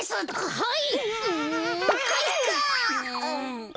はい！